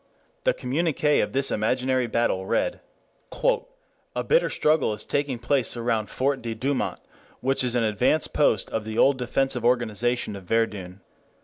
The communiqué of this imaginary battle read: "A bitter struggle is taking place around Fort de Douaumont which is an advanced post of the old defensive organization of Verdun.